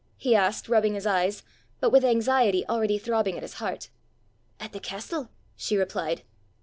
he asked, rubbing his eyes, but with anxiety already throbbing at his heart. "At the castle," she replied.